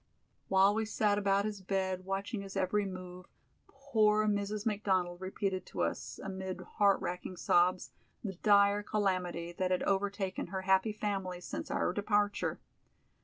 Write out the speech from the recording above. While we sat about his bed watching his every move, poor Mrs. McDonald repeated to us, amid heart racking sobs, the dire calamity that had overtaken her happy family since our departure.